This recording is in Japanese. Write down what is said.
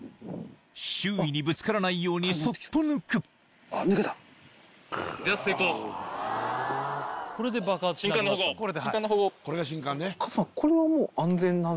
周囲にぶつからないようにそっと抜くカズさん。